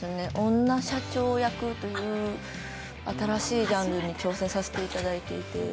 女社長役という新しいジャンルに挑戦させていただいていて。